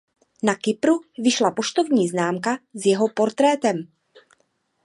Na Kypru vyšla poštovní známka s jeho portrétem.